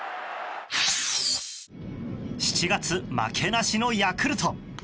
７月負けなしのヤクルト。